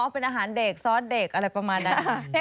เป็นอาหารเด็กซอสเด็กอะไรประมาณนั้น